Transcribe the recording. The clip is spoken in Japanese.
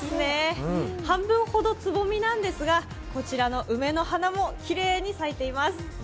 半分ほどつぼみなんですが、こちらの梅の花もきれいに咲いています。